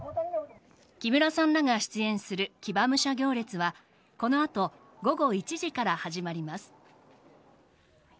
木村さんらが出演する騎馬武者行列はこのあと午後１時から始まります。